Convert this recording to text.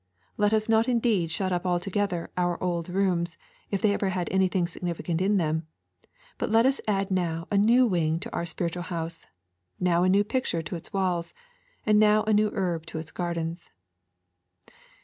Let us not indeed shut up altogether our old rooms if they ever had anything significant in them, but let us add now a new wing to our spiritual house, now a new picture to its walls, and now a new herb to its gardens.